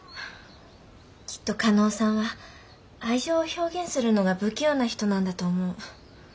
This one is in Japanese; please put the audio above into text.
きっと嘉納さんは愛情を表現するのが不器用な人なんだと思う。